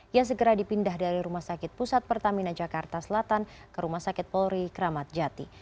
yang segera dipindah dari rumah sakit pusat pertamina jakarta selatan ke rumah sakit polri kramat jati